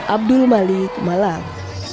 abdul malik malang